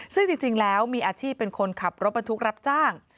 ซึ่งจริงแล้วมีอาชีพเป็นคนขับรถบรรทุกรับจ้าง